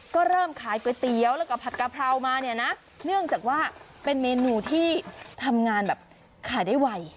ก็เริ่มขายก๋วยเตี๋ยวแล้วก็ผัดกะเพรามาเนี่ยนะเนื่องจากว่าเป็นเมนูที่ทำงานแบบขายได้ไว